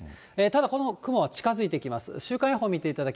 ただこの雲は近づいてきます。